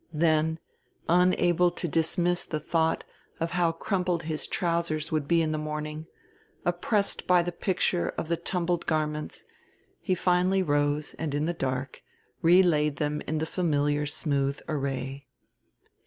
Then, unable to dismiss the thought of how crumpled his trousers would be in the morning, oppressed by the picture of the tumbled garments, he finally rose and, in the dark, relaid them in the familiar smooth array.